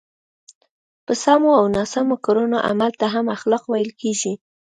په سمو او ناسم کړنو عمل ته هم اخلاق ویل کېږي.